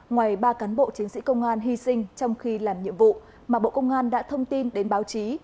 ngoài ba cán bộ chiến sĩ công an hy sinh trong khi làm nhiệm vụ mà bộ công an đã thông tin đến báo chí